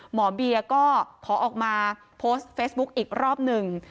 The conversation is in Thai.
หมอเบียก็ขอออกมาโพสต์เฟซบุ๊คอีกรอบหนึ่ง